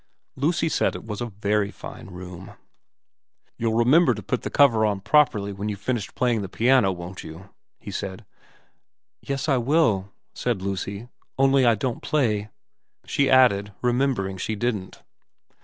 Lucy said it was a very fine room. ' You'll remember to put the cover on properly when you've finished playing the piano, won't you,' he said. T 274 VERA xxr ' Yea I will,' said Lucy. ' Oiily I don't play,' she added, remembering she didn't.